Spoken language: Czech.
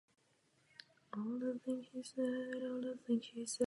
Dostal časově neomezenou dovolenou.